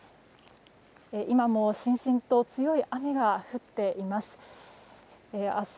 今もしんしんと強い雨が降っています。